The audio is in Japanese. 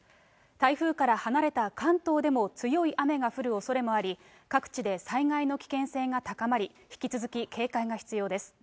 台風から離れた関東でも強い雨が降るおそれもあり、各地で災害の危険性が高まり、引き続き警戒が必要です。